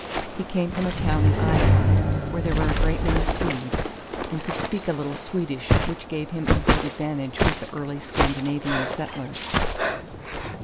He came from a town in Iowa where there were a great many Swedes, and could speak a little Swedish, which gave him a great advantage with the early Scandinavian settlers.